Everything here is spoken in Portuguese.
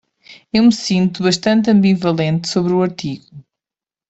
Eu me sinto bastante ambivalente sobre o artigo.